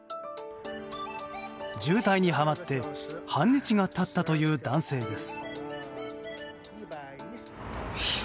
渋滞にはまって半日が経ったという男性です。